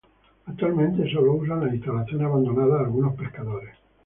Actualmente solo usan las instalaciones abandonadas algunos pescadores.